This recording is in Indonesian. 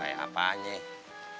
bayar apa saja